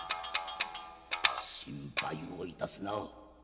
「心配をいたすな。